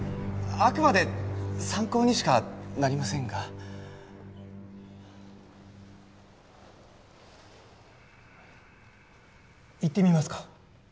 あくまで参考にしかなりませんがいってみますか？